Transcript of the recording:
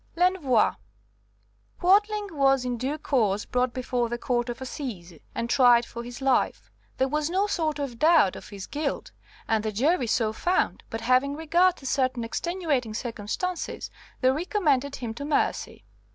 L'Envoi Quadling was in due course brought before the Court of Assize and tried for his life. There was no sort of doubt of his guilt, and the jury so found, but, having regard to certain extenuating circumstances, they recommended him to mercy.